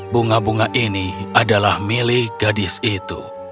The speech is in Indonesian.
bunga bunga ini adalah milik gadis itu